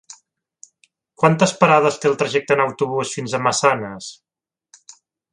Quantes parades té el trajecte en autobús fins a Massanes?